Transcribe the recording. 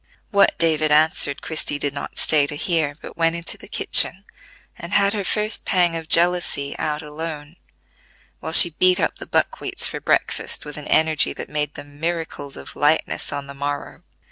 What David answered Christie did not stay to hear, but went into the kitchen, and had her first pang of jealousy out alone, while she beat up the buckwheats for breakfast with an energy that made them miracles of lightness on the morrow.